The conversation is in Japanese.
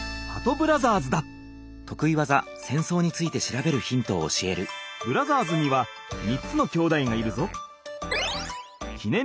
ブラザーズには３つのきょうだいがいるぞ。